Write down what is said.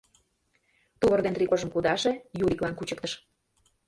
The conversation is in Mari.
Тувыр ден трикожым кудаше, Юриклан кучыктыш.